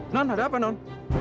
nona ada apa non